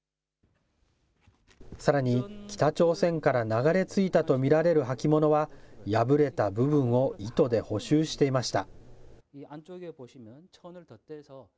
さらに、北朝鮮から流れ着いたとみられる履物は、破れた部分を糸で補修していました。